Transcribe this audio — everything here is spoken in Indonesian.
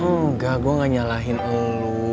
enggak gue gak nyalahin allah